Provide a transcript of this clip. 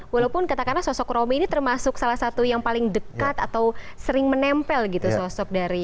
walaupun katakanlah sosok romi ini termasuk salah satu yang paling dekat atau sering menempel gitu sosok dari